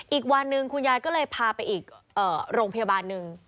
อีกวันหนึ่งคุณยายก็เลยพาไปอีกโรงพยาบาลหนึ่ง